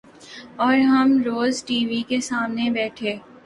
اور ہم روز ٹی وی کے سامنے بیٹھے